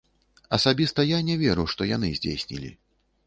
Асабіста я не веру, што яны здзейснілі.